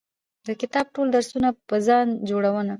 د کتاب ټول درسونه په ځان جوړونه